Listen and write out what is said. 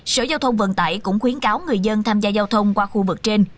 sở giao thông vận tải cũng khuyến cáo người dân tham gia giao thông qua khu vực trên